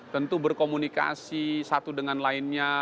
tentu berkomunikasi satu dengan lainnya